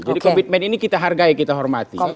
jadi komitmen ini kita hargai kita hormati